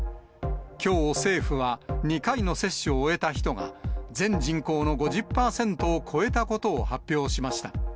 きょう、政府は２回の接種を終えた人が全人口の５０％を超えたことを発表しました。